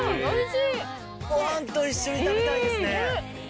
ご飯と一緒に食べたいですね。